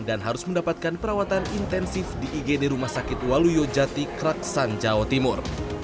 dan harus mendapatkan perawatan intensif di igd rumah sakit waluyo jati krak san jawa timur